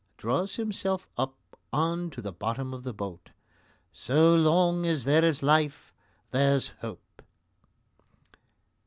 (Draws himself up on to the bottom of the boat.) So long as there is life there's hope.